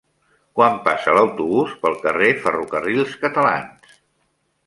Quan passa l'autobús pel carrer Ferrocarrils Catalans?